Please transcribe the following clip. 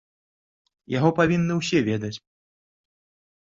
Яго павінны ўсе ведаць.